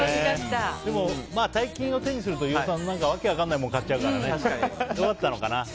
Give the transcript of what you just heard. でも大金を手にすると、飯尾さん訳分からないもの買っちゃうから良かったかな。